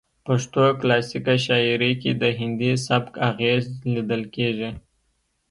پښتو کلاسیکه شاعرۍ کې د هندي سبک اغیز لیدل کیږي